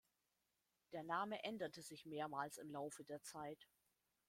Der Name änderte sich mehrmals im Laufe der Zeit.